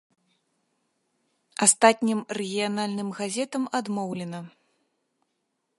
Астатнім рэгіянальным газетам адмоўлена.